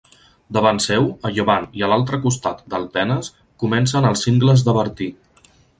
Davant seu, a llevant i a l'altre costat del Tenes, comencen els Cingles de Bertí.